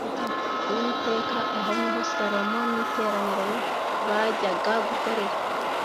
Uwiteka Aho ni ho Salomo n iteraniro bajyaga gukorera